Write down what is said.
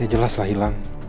ya jelas lah hilang